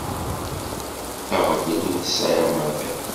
Aɣbel ur t-sεiɣ maḍi.